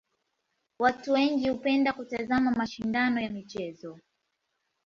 Watu wengi hupenda kutazama mashindano ya michezo.